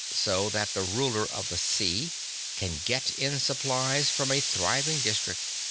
So that the ruler of the sea can get in supplies from a thriving district.